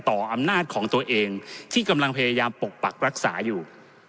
อำนาจของตัวเองที่กำลังพยายามปกปักรักษาอยู่